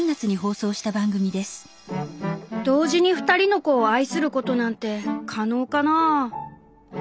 「同時に２人の子を愛することなんて可能かなあ」。